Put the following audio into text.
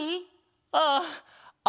ああ。